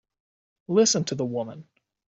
Listen to the woman!